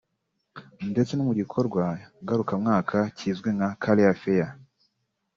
ndetse no mu gikorwa ngarukamwaka kizwi nka “Career Fair”